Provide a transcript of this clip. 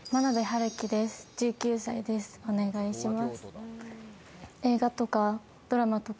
お願いします。